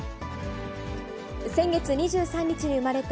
先月２３日に産まれた、